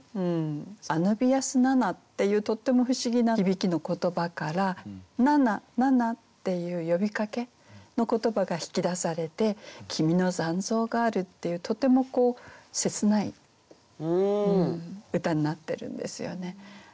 「アヌビアス・ナナ」っていうとっても不思議な響きの言葉から「ナナ、ナナ、」っていう呼びかけの言葉が引き出されて「きみの残像がある」っていうとても切ない歌になってるんですよね。